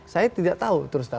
saya tidak tahu terus nanda